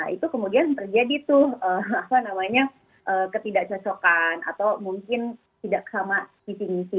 itu kemudian terjadi ketidak cocokan atau mungkin tidak sama sisi sisi